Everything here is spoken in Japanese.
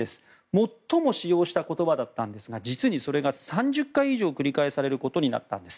最も使用した言葉だったんですが実にそれが３０回以上繰り返されることになったんです。